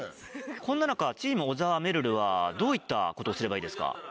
こんな中チーム「小澤・めるる」はどういったことをすればいいですか？